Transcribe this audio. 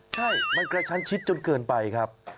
ใช่มันกระชั้นชิดจนเกินไปครับ